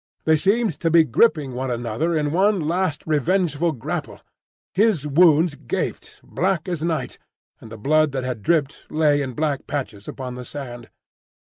They seemed to be gripping one another in one last revengeful grapple. His wounds gaped, black as night, and the blood that had dripped lay in black patches upon the sand.